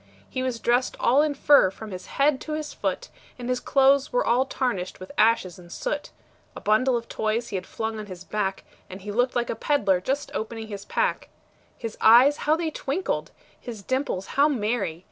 He was dressed all in fur from his head to his foot, And his clothes were all tarnished with ashes and soot; A bundle of toys he had flung on his back, And he looked like a peddler just opening his pack; His eyes how they twinkled! his dimples how merry!